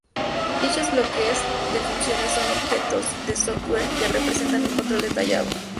Dichos bloques de funciones son objetos de software que representan un control detallado.